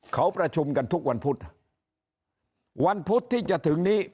เขาประชุมกันทุกวันพุธวันพุธที่จะถึงนี้